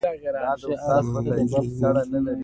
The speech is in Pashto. یوه معصومه نجلۍ د دنیا د جبر له لاسه وژل شوې وه